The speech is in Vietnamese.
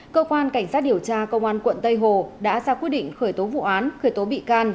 cơ quan cảnh sát điều tra công an quận tây hồ đã ra quyết định khởi tố vụ án khởi tố bị can